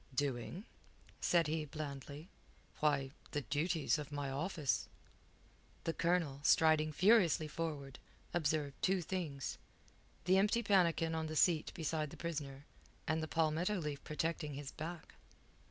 "Doing?" said he blandly. "Why, the duties of my office." The Colonel, striding furiously forward, observed two things. The empty pannikin on the seat beside the prisoner, and the palmetto leaf protecting his back.